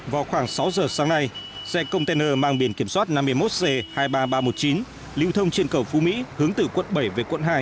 vào khoảng sáu giờ sáng nay xe container mang biển kiểm soát năm mươi một c hai mươi ba nghìn ba trăm một mươi chín lưu thông trên cầu phú mỹ hướng từ quận bảy về quận hai